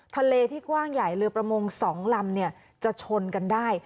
ทะเลที่กว้างใหญ่เรือประมง๒ลำจะชนกันได้